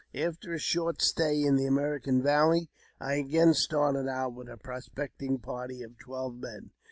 After a short stay in the American Valley, I again started out with a prospecting party of twelve men.